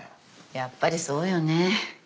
やっぱりそうよね。